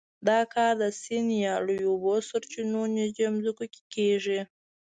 دا کار د سیند یا لویو اوبو سرچینو نږدې ځمکو کې کېږي.